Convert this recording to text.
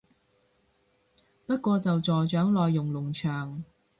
不過就助長內容農場